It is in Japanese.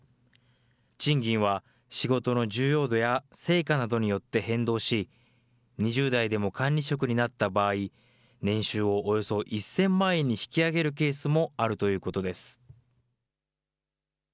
賃金は仕事の重要度や成果などによって変動し、２０代でも管理職になった場合、年収をおよそ１０００万円に引き上げるケースもあるということです。